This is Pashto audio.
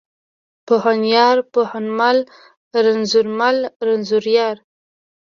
پوهنيار، پوهنمل، رنځورمل، رنځوریار.